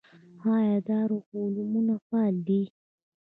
آیا دارالعلومونه فعال دي؟